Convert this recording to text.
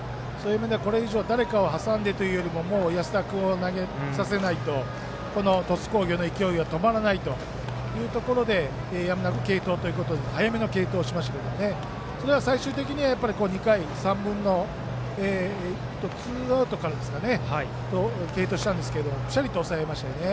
これ以上誰かを挟んでというよりも安田君を投げさせないとこの鳥栖工業の勢いは止まらないというところで早めの継投をしましたけど最終的には２回の途中ツーアウトから継投したんですがぴしゃりと抑えましたよね。